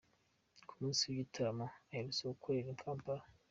Ku munsi w'igitaramo aherutse gukorera i Kampala.